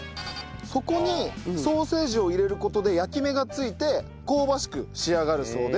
底にソーセージを入れる事で焼き目がついて香ばしく仕上がるそうで。